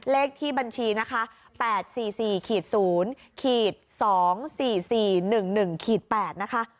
เลขที่บัญชีนะคะ๘๔๔๐๒๔๔๑๑๘นะคะ